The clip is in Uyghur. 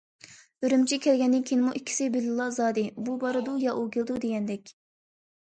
ئۈرۈمچىگە كەلگەندىن كېيىنمۇ ئىككىسى بىللىلا زادى، بۇ بارىدۇ يا ئۇ كېلىدۇ، دېگەندەك.